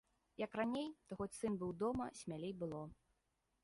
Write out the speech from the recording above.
Як раней, то хоць сын быў дома, смялей было.